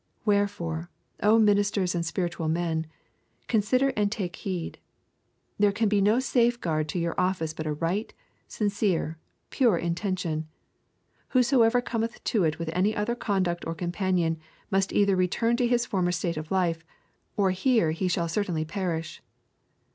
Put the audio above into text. Wherefore, O ministers and spiritual men, consider and take heed. There can be no safe guide to your office but a right, sincere, pure intention. Whosoever cometh to it with any other conduct or companion must either return to his former state of life, or here he shall certainly perish